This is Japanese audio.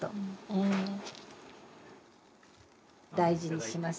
大事にします。